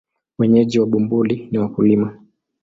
Wenyeji wa Bumbuli ni wakulima.